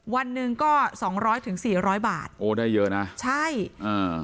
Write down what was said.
วันหนึ่งก็สองร้อยถึงสี่ร้อยบาทโอ้ได้เยอะนะใช่อ่า